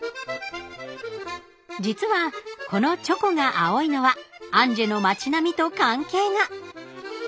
実はこのチョコが青いのはアンジェの町並みと関係が。